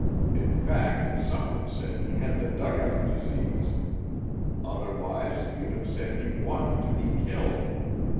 in fact, some one said he had the Dug out Disease.... Otherwise, you'd have said he wanted to be killed.